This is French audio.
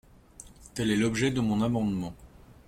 Tel est l’objet de mon amendement.